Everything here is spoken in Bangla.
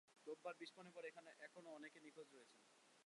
রোববার বিস্ফোরণের পর এখনো অনেকে নিখোঁজ রয়েছেন।